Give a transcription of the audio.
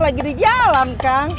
lagi di jalan kang